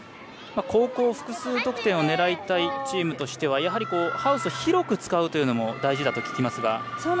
後攻、複数得点を狙いたいチームとしてはハウスを広く使うのも大事だと聞きますが。